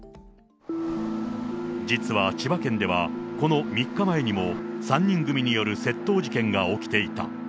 実は千葉県では、この３日前にも３人組による窃盗事件が起きていた。